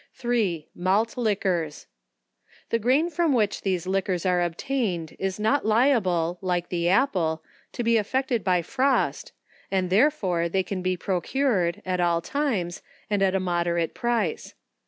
3. Malt Liquors. The grain from which these li quors are obtained, is not liable, like the apple, to be af fected by frost, and therefore they can he procured, at all times, and at a moderate price.